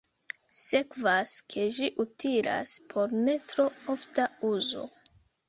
Sekvas, ke ĝi utilas por ne tro ofta uzo.